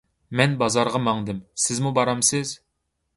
مەن بازارغا ماڭدىم، سىزمۇ بارمسىز؟